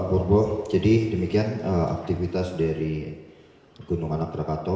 pak purbo jadi demikian aktivitas dari gunung anak terkato